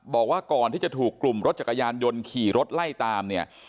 บอกว่าก่อนที่จะถูกกลุ่มรถจักรยานยนต์ขี่รถไล่ตามเนี่ย